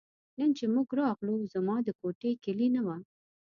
نن چې موږ راغلو زما د کوټې کیلي نه وه.